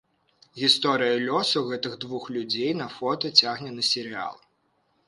Гісторыя лёсу гэтых двух людзей на фота цягне на серыял.